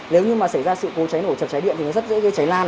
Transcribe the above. nếu như mà xảy ra sự cố cháy nổ chập cháy điện thì nó rất dễ gây cháy lan